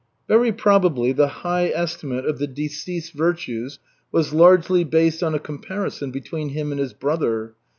Very probably the high estimate of the deceased's virtues was largely based on a comparison between him and his brother.